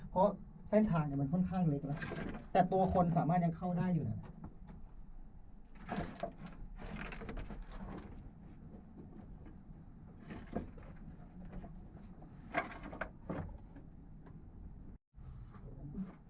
เพราะเส้นทางเนี่ยมันค่อนข้างเล็กแล้วแต่ตัวคนสามารถยังเข้าได้อยู่นะครับ